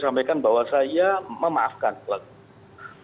sampaikan bahwa saya memaafkan pelaku